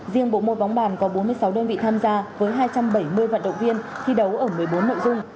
riêng bộ môn bóng bàn có bốn mươi sáu đơn vị tham gia với hai trăm bảy mươi vận động viên thi đấu ở một mươi bốn nội dung